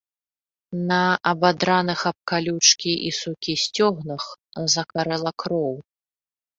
На абадраных аб калючкі і сукі сцёгнах закарэла кроў.